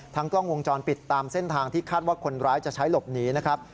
กล้องวงจรปิดตามเส้นทางที่คาดว่าคนร้ายจะใช้หลบหนีนะครับ